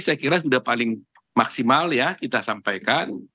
saya kira sudah paling maksimal ya kita sampaikan